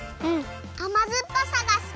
あまずっぱさがすき！